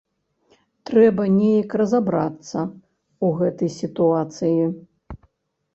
Трэба неяк разабрацца ў гэтай сітуацыі.